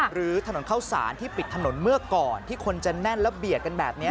หรือถนนเข้าสารที่ปิดถนนเมื่อก่อนที่คนจะแน่นแล้วเบียดกันแบบนี้